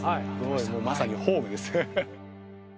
・まさにホームですね